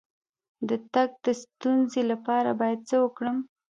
د تګ د ستونزې لپاره باید څه وکړم؟